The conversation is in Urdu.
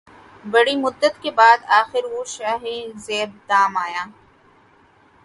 بڑی مدت کے بعد آخر وہ شاہیں زیر دام آیا